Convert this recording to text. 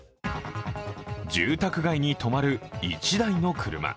住宅街に止まる１台の車。